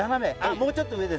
もうちょっと上で。